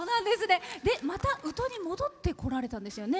また宇土に戻ってこられたんですよね。